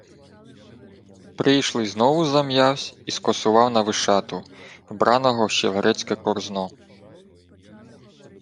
Прийшлий знову зам'явсь і скосував на Вишату, вбраного в ще грецьке корзно.